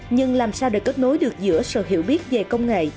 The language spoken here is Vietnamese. nhưng làm sao để kết nối được giữa sự hiểu biết về công nghệ